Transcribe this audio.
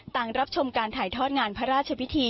รับชมการถ่ายทอดงานพระราชพิธี